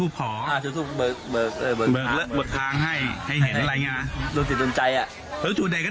ก็ไม่เกิน๑๐ที่ก็เลยเจอเลย